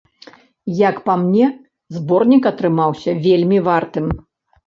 Як па мне, зборнік атрымаўся вельмі вартым.